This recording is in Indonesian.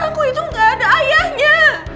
anakku itu nggak ada ayahnya